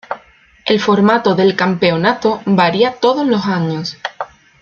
El formato del campeonato varía todos los años.